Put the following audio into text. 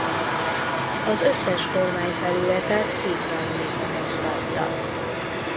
Az összes kormányfelületet hidraulika mozgatta.